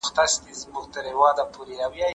د اهریمن د اولادونو زانګو